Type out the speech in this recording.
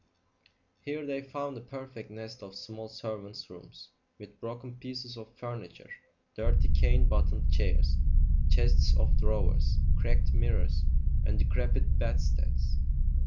Here they found a perfect nest of small servants' rooms, with broken pieces of furniture, dirty cane bottomed chairs, chests of drawers, cracked mirrors, and decrepit bedsteads.